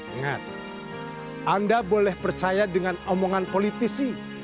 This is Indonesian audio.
ingat anda boleh percaya dengan omongan politisi